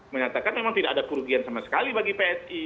menyatakan memang tidak ada kerugian sama sekali bagi psi